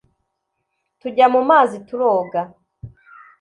tujya mu mazi turoga